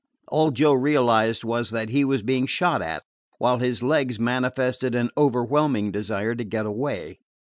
All Joe realized was that he was being shot at, while his legs manifested an overwhelming desire to get away.